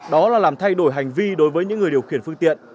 đó là làm thay đổi hành vi đối với những người điều khiển phương tiện